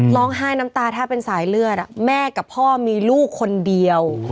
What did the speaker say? ร้องไห้น้ำตาถ้าเป็นสายเลือดแม่กับพ่อมีลูกคนเดียว